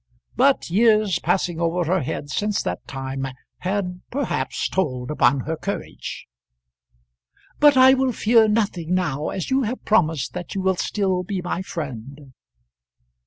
But years passing over her head since that time had perhaps told upon her courage. "But I will fear nothing now, as you have promised that you will still be my friend."